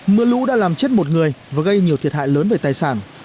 mưa lũ đã làm chết một người và gây nhiều thiệt hại lớn về tài sản